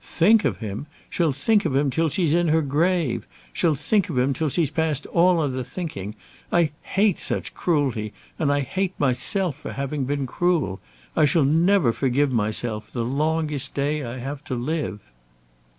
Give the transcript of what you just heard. Think of him! She'll think of him till she's in her grave. She'll think of him till she's past all other thinking. I hate such cruelty; and I hate myself for having been cruel. I shall never forgive myself, the longest day I have to live."